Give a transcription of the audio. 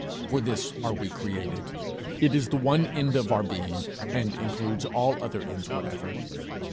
For this are we created; it is the one end of our being, and includes all other ends whatever.